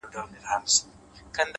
پیاوړی ذهن ستونزې فرصتونه ګڼي,